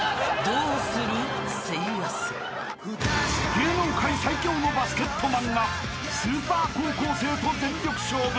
［芸能界最強のバスケットマンがスーパー高校生と全力勝負］